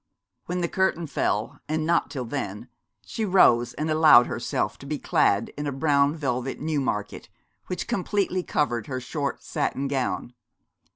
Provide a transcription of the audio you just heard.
When the curtain fell, and not till then, she rose and allowed herself to be clad in a brown velvet Newmarket, which completely covered her short satin gown.